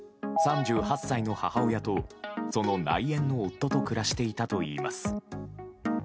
３８歳の母親と、その内縁の夫と暮らしていたといいます。